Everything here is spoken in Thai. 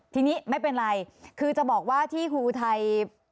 ทีนี้ไม่เป็นไรคือจะบอกว่าที่ฮูไทย